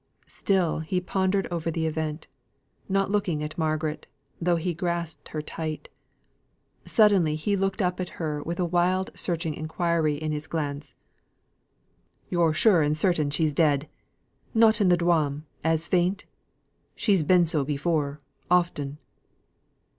Still he pondered over the event, not looking at Margaret, though he grasped her tight. Suddenly, he looked up at her with a wild searching inquiry in his glance. "Yo're sure and certain she's dead not in a dwam, a faint? she's been so before, often."